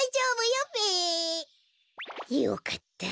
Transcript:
よかった。